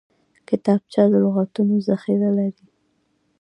کتابچه د لغتونو ذخیره لري